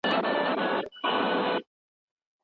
دا شورا ملي شتمني ساتي.